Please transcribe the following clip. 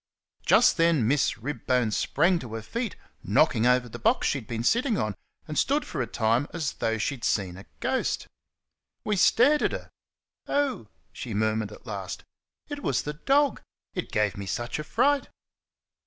Just then Miss Ribbone sprang to her feet, knocking over the box she had been sitting on, and stood for a time as though she had seen a ghost. We stared at her. "Oh," she murmured at last, "it was the dog! It gave me such a fright!"